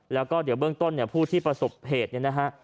แล้วก็เดี๋ยวเบื้องต้นเนี่ยผู้ที่ประสบเหตุเนี่ยนะฮะ